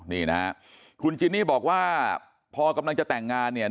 นี่นะฮะคุณจินนี่บอกว่าพอกำลังจะแต่งงานเนี่ย